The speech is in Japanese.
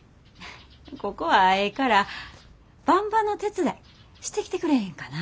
ここはええからばんばの手伝いしてきてくれへんかな？